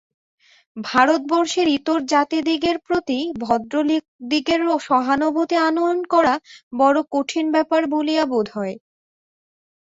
ভারতবর্ষের ইতর জাতিদিগের প্রতি ভদ্রলোকদিগের সহানুভূতি আনয়ন করা বড় কঠিন ব্যাপার বলিয়া বোধ হয়।